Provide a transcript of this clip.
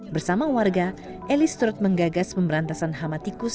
bersama warga elis turut menggagas pemberantasan hamatikus